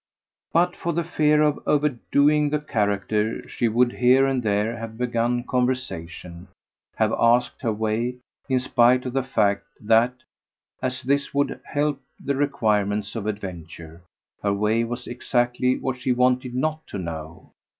But for the fear of overdoing the character she would here and there have begun conversation, have asked her way; in spite of the fact that, as this would help the requirements of adventure, her way was exactly what she wanted not to know.